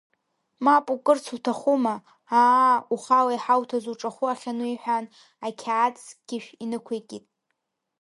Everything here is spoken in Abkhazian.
Мап укырц уҭахума, аа, ухала иҳауҭаз уҿахәы ахьану иҳәан, акьаад скьышә инықәикит.